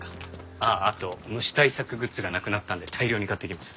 あああと虫対策グッズがなくなったんで大量に買ってきます。